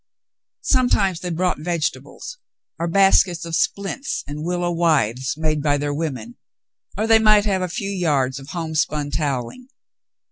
Sometimes they brought vegetables, or baskets of splints and willow withes, made by their women, or they might have a few yards of home spun towelling.